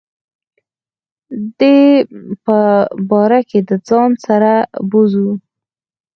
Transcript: دی به باره دځان سره بوزو .